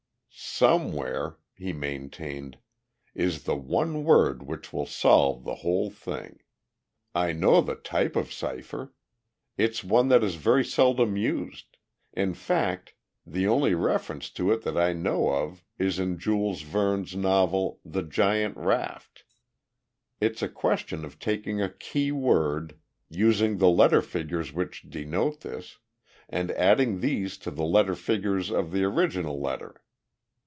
"Somewhere," he maintained, "is the one word which will solve the whole thing. I know the type of cipher. It's one that is very seldom used; in fact, the only reference to it that I know of is in Jules Verne's novel The Giant Raft. It's a question of taking a key word, using the letter figures which denote this, and adding these to the letter figures of the original letter.